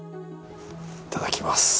いただきます。